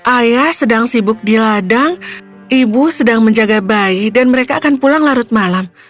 ayah sedang sibuk di ladang ibu sedang menjaga bayi dan mereka akan pulang larut malam